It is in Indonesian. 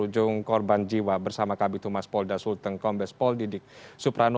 jadi semua top down